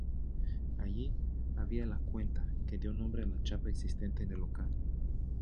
Allí, había la "cuenta", que dio nombre a la chapa existente en el local.